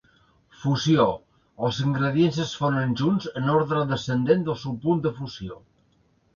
Fusió: els ingredients es fonen junts en ordre descendent del seu punt de fusió.